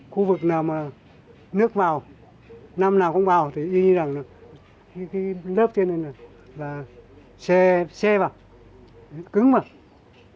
khu vực nào mà nước vào năm nào cũng vào thì như như là lớp trên này là xe vào cứng vào